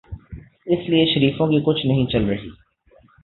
اسی لیے شریفوں کی کچھ نہیں چل رہی۔